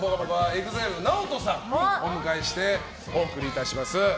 ＥＸＩＬＥＮＡＯＴＯさんをお迎えしてお送りいたします。